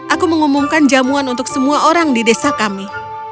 aku mengumumkan jamuan untuk semua orang di desa kami